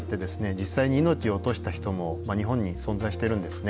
実際に命を落とした人も日本に存在してるんですね。